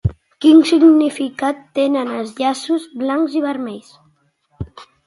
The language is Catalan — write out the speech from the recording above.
Quin significat tenen els llaços blancs i vermells?